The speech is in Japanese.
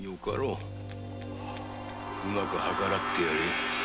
うまく計らってやれ！